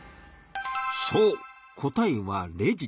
そう答えはレジ。